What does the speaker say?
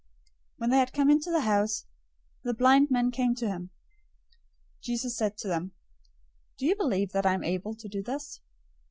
009:028 When he had come into the house, the blind men came to him. Jesus said to them, "Do you believe that I am able to do this?"